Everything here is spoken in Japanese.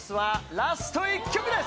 ラスト一曲です。